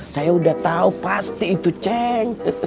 saya udah tahu pasti itu ceng